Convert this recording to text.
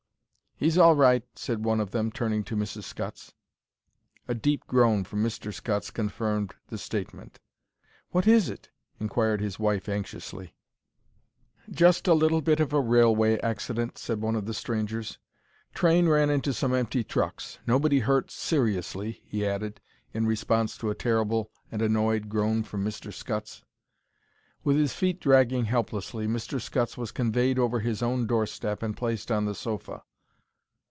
"He's all right," said one of them, turning to Mrs. Scutts. A deep groan from Mr. Scutts confirmed the statement. "What is it?" inquired his wife, anxiously. "Just a little bit of a railway accident," said one of the strangers. "Train ran into some empty trucks. Nobody hurt—seriously," he added, in response to a terrible and annoyed groan from Mr. Scutts. With his feet dragging helplessly, Mr. Scutts was conveyed over his own doorstep and placed on the sofa.